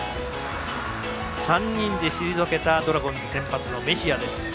３人で退けたドラゴンズ、先発のメヒア。